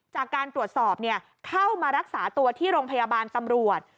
จากการตรวจสอบเข้ามารักษาตัวที่โรงพยาบาลตำรวจ